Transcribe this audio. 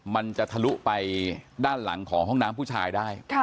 มันจะทะลุไปด้านหลังของห้องน้ำผู้ชายได้